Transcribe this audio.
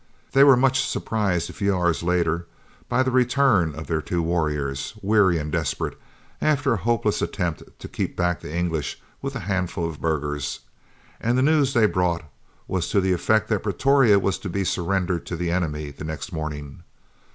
They were much surprised a few hours later, by the return of their two warriors, weary and desperate after a hopeless attempt to keep back the English with a handful of burghers, and the news they brought was to the effect that Pretoria was to be surrendered to the enemy the next morning.